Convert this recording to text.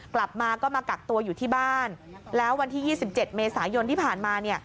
กลับมาก็มากักตัวอยู่ที่บ้านแล้ววันที่๒๗เมษายนที่ผ่านมาเนี่ย